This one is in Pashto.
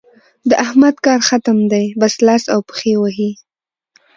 د احمد کار ختم دی؛ بس لاس او پښې وهي.